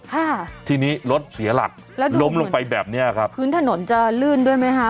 ค่ะทีนี้รถเสียหลักแล้วล้มลงไปแบบเนี้ยครับพื้นถนนจะลื่นด้วยไหมคะ